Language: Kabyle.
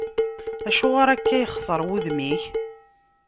Acuɣer akka yexseṛ wudem-ik?